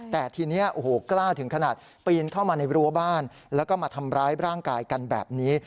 แต่ทีนี้โอ้โหกล้าถึงขนาดปีนเข้ามาในรั้วบ้านแล้วก็มาทำร้ายร่างกายกันแบบนี้